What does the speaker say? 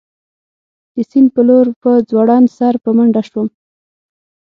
د سیند په لور په ځوړند سر په منډه شوم.